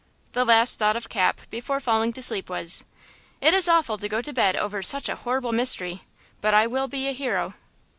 The last thought of Cap, before falling to sleep, was: "It is awful to go to bed over such a horrible mystery; but I will be a hero!"